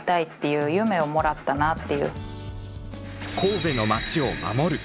神戸の町を守る！